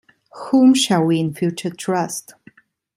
Whom shall we in future trust?